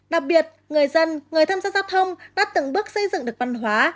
đặc biệt người dân người tham gia giao thông đã từng bước xây dựng được văn hóa